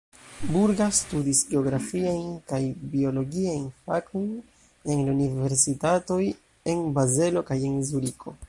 Burga studis geografiajn kaj biologiajn fakojn en la universitatoj en Bazelo kaj en Zuriko.